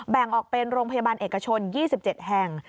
แบ่งออกเป็นโรงพยาบาลเอกชน๒๗แห่ง